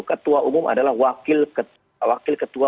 ketua umum adalah wakil ketua